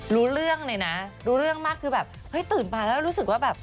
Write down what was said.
รู้เรื่องเลยนะรู้เรื่องมากคือแบบเฮ้ยตื่นมาแล้วรู้สึกว่าแบบ